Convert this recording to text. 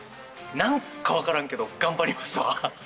何か分からんけど頑張りますわ。